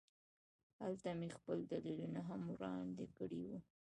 هلته مې خپل دلیلونه هم وړاندې کړي وو